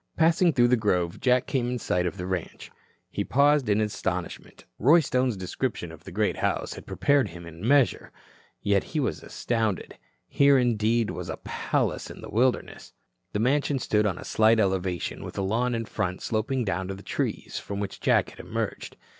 Passing through the grove, Jack came in sight of the ranch. He paused in astonishment. Roy Stone's description of the great house had prepared him in a measure. Yet he was astounded. Here, indeed, was a palace in the wilderness. The mansion stood on a slight elevation with a lawn in front sloping down to the trees from which Jack had emerged.